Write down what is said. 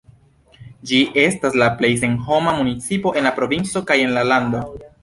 Ĝi estas la plej senhoma municipo en la provinco kaj en la lando.